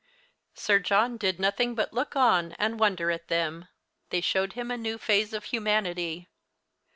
Sir John did nothing but look on and wonder at them. They showed him a new phase of humanity.